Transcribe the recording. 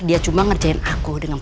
dia cuma ngerjain aku dengan